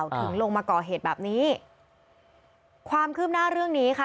ถึงลงมาก่อเหตุแบบนี้ความคืบหน้าเรื่องนี้ค่ะ